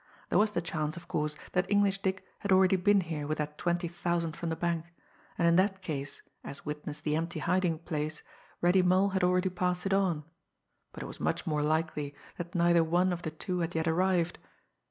There was the chance, of course, that English Dick had already been here with that twenty thousand from the bank, and in that case, as witness the empty hiding place, Reddy Mull had already passed it on; but it was much more likely that neither one of the two had yet arrived.